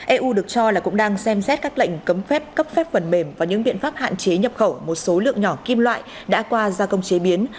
eu được cho là cũng đang xem xét các lệnh cấm phép cấp phép phần mềm và những biện pháp hạn chế nhập khẩu một số lượng nhỏ kim loại đã qua gia công chế biến